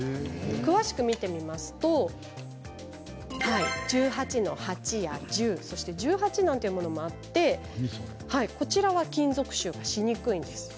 詳しく見てみますと１８−８や１０や１８というものもあってこちらは金属臭がしにくいんです。